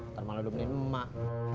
ntar malah udah beli emak